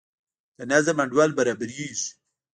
د نظم انډول برابریږي.